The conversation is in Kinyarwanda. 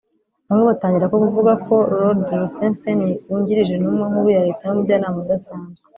bamwe batangira kuvuga ko Rod Rosenstein wungirije Intumwa Nkuru ya Leta n’umujyanama udasanzwe